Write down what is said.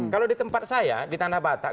kalau di tempat saya di tanah batak